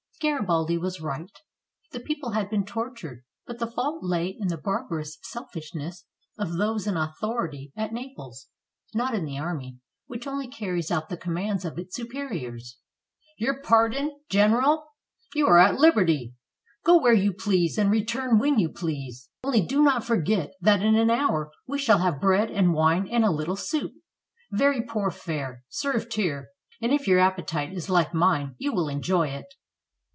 Garibaldi was right. The people had been tortured, but the fault lay in the barbarous selfishness of those in au thority at Naples, not in the army, which only carries out the commands of its superiors. "Your pardon. Gen eral! You are at liberty. Go where you please and re turn when you please. Only do not forget that in an hour we shall have bread and wine and a little soup — very poor fare — served here, and if your appetite is like mine you will enjoy it."